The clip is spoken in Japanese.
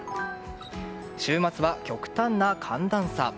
週末は極端な寒暖差。